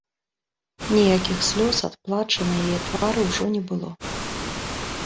Ніякіх слёз ад плачу на яе твары ўжо не было.